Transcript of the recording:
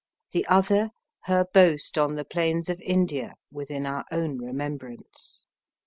The other, her boast on the plains of India, within our own remembrance.